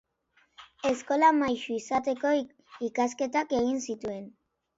Eskola-maisu izateko ikasketak egin zituen.